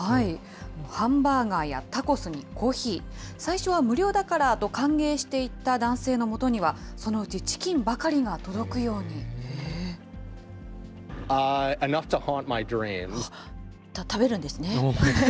ハンバーガーやタコスにコーヒー、最初は無料だからと歓迎していた男性のもとには、そのうちチキン食べるんですね。